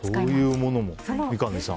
三上さん。